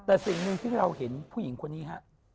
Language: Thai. แต่สิ่งหนึ่งที่เราเห็นผู้หญิงคนนี้ฮะ